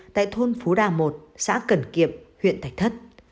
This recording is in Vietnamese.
tại thôn phú đa một xã cần kiệm huyện thạch thất